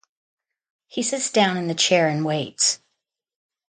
He sits down in the chair and waits.